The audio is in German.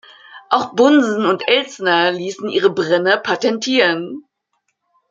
Auch Bunsen und Elsner ließen ihre Brenner patentieren.